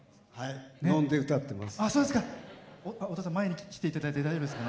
飲んで歌ってます。